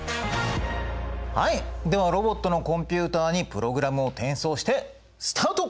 はいではロボットのコンピュータにプログラムを転送してスタート！